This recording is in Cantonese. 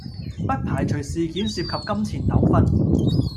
不排除事件涉及金錢糾紛